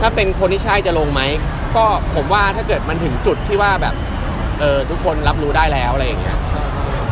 ถ้าเป็นคนที่ใช่จะลงไหมก็ผมว่าถ้าเกิดมันถึงจุดที่ว่าแบบทุกคนรับรู้ได้แล้วอะไรอย่างเงี้ย